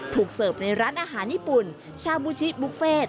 เสิร์ฟในร้านอาหารญี่ปุ่นชาบูชิบุฟเฟ่